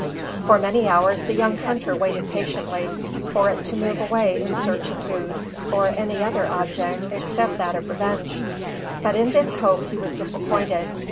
For many hours the young hunter waited patiently for it to move away in search of food or any other object except that of revenge; but in this hope he was disappointed.